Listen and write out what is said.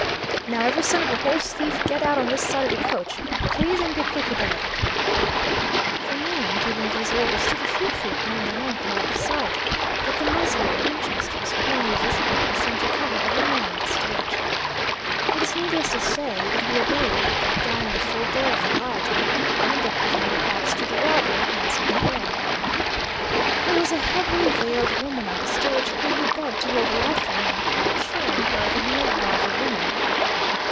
'Now, every son of a horse thief, get out on this side of the coach, please, and be quick about it!' "The man giving these orders stood a few feet behind the lamp and out of sight, but the muzzle of a Winchester was plainly visible and seemed to cover every man on the stage. It is needless to say that we obeyed, got down in the full glare of the light, and lined up with our backs to the robber, hands in the air. There was a heavily veiled woman on the stage, whom he begged to hold the light for him, assuring her that he never robbed a woman.